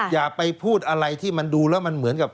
อย่าไปพูดอะไรที่มันดูแล้วมันเหมือนกับ